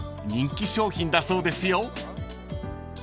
［人気商品だそうですよ］